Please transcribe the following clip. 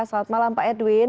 selamat malam pak edwin